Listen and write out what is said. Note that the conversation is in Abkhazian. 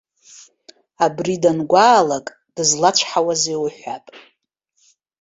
Абри дангәаалак дызлацәҳауазеи уҳәап.